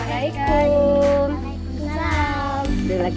selamat painggilan selamat painggilan selamat dayanya